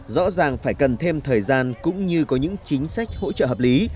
rõ ràng phải cần thêm thời gian cũng như có những chính sách hỗ trợ hợp lý